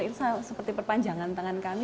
itu seperti perpanjangan tangan kami